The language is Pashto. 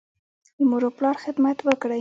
د مور او پلار خدمت وکړئ.